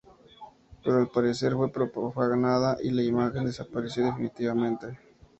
Pero al parecer fue profanada y la imagen desapareció definitivamente.